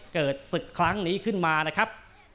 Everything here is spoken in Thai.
เกิดศึกครั้งนี้ขึ้นมานะครับ